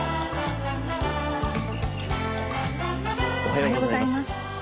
おはようございます。